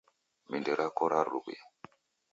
Mindi rako ralue.